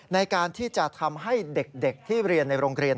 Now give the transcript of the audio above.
ในการที่จะทำให้เด็กที่เรียนในโรงเรียน